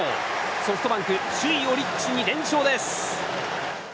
ソフトバンク首位オリックスに連勝です。